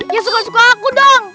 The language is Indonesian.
ya suka suka aku dong